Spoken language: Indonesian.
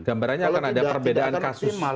gambarannya akan ada perbedaan kasus